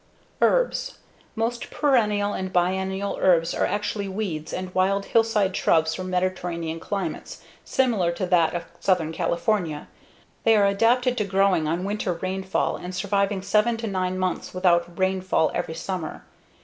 Herbs Most perennial and biennial herbs are actually weeds and wild hillside shrubs from Mediterranean climates similar to that of Southern California. They are adapted to growing on winter rainfall and surviving seven to nine months without rainfall every summer.